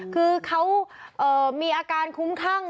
คือเขามีอาการคุ้มคลั่ง